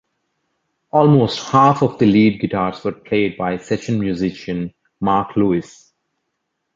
Almost half of the lead guitars were played by session musician Mark Lewis.